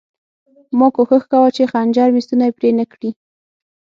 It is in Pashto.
ما کوښښ کاوه چې خنجر مې ستونی پرې نه کړي